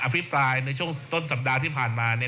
พิปรายในช่วงต้นสัปดาห์ที่ผ่านมา